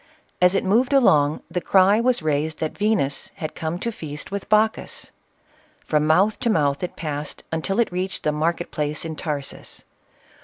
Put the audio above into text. As it moved along, the cry was raised, that Venus had come to feast with Bacchus. From mouth to mouth it passed, until it reached the market place in Tarsus.